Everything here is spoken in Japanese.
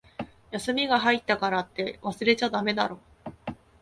休みが入ったからって、忘れちゃだめだろ。